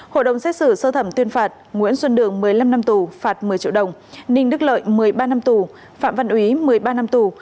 hội đồng xét xử sơ thẩm tuyên phạt nguyễn xuân đường một mươi năm năm tù phạt một mươi triệu đồng ninh đức lợi một mươi ba năm tù phạm văn úy một mươi ba năm tù